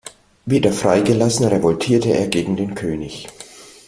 Wieder freigelassen, revoltierte er gegen den König.